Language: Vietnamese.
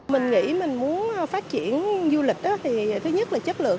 mình nghĩ mình muốn phát triển du lịch thì thứ nhất là chất lượng